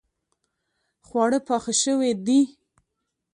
خواړه پاخه شوې دي